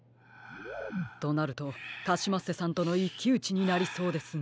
となるとカシマッセさんとのいっきうちになりそうですね。